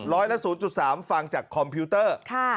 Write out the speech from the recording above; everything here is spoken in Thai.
ร้อยละ๐๓ฟังจากคอมพิวเตอร์